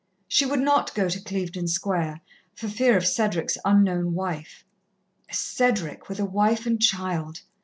She would not go to Clevedon Square, for fear of Cedric's unknown wife. Cedric with a wife and child!